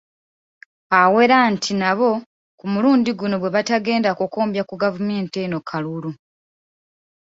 Awera nti nabo ku mulundi guno bwe batagenda kukombya gavumenti eno ku kalulu.